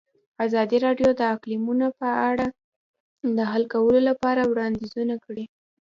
ازادي راډیو د اقلیتونه په اړه د حل کولو لپاره وړاندیزونه کړي.